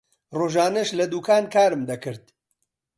ڕۆژانەش لە دوکان کارم دەکرد.